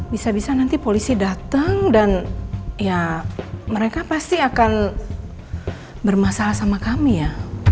bisa bisa nanti polisi datang dan ya mereka pasti akan bermasalah sama kami ya